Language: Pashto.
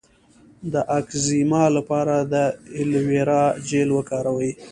د اکزیما لپاره د ایلوویرا جیل وکاروئ